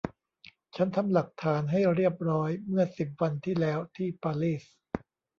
ฉันทำหลักฐานให้เรียบร้อยเมื่อสิบวันที่แล้วที่ปารีส